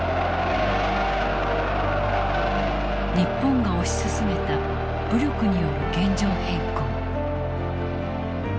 日本が推し進めた武力による現状変更。